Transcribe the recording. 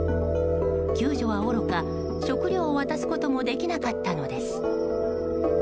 救助はおろか食料を渡すこともできなかったのです。